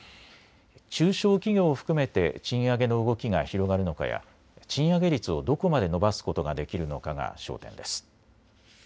中小企業を含めて賃上げの動きが広がるのかや賃上げ率をどこまで伸ばすことができるのかが焦点です。